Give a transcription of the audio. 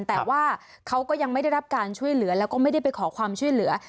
แต่ว่าเขาก็ยังไม่ได้รับการช่วยเหลือแล้วก็ไม่ได้ไปขอความช่วยเหลือ